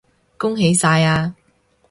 恭喜晒呀